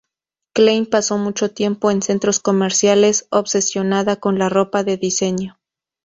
Klein pasó mucho tiempo en centros comerciales, obsesionada con la ropa de diseño.